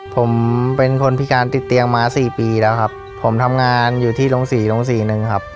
ผมเป็นคนพิการติดเตียงมาสี่ปีแล้วครับผมทำงานอยู่ที่โรงศรีโรงศรีหนึ่งครับ